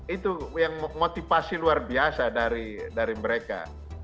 itu yang motivasi luar biasa dari mereka